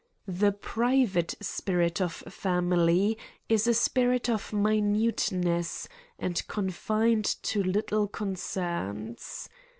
The private spirit of fa mily is a spirit of minuteness, and confined to lit tle concerns.